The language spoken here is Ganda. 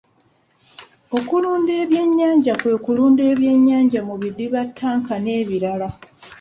Okulunda ebyennyanja kwe kulundira ebyennyanja mu bidiba, ttanka n'ebirala.